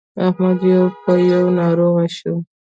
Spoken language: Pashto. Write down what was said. احمد يو په يو ناروغ شو.